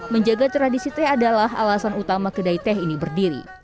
menjaga tradisi teh adalah alasan utama kedai teh ini berdiri